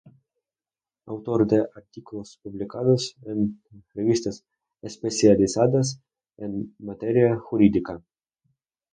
Autor de artículos publicados en Revistas Especializadas en materia jurídica.